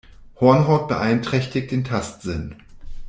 Hornhaut beeinträchtigt den Tastsinn.